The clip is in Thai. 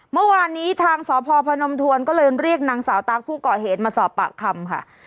เมื่อวานนี้ทางสพพนมทวนก็เลยเรียกนางสาวตั๊กผู้ก่อเหตุมาสอบปากคำค่ะ